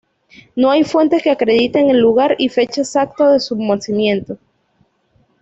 No hay fuentes que acrediten el lugar y fecha exactos de su nacimiento.